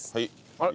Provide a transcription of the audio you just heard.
あれ？